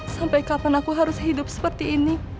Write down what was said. sampai kapan aku harus hidup seperti ini